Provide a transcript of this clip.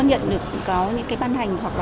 nhận được có những cái ban hành hoặc là